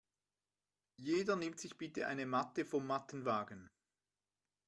Jeder nimmt sich bitte eine Matte vom Mattenwagen.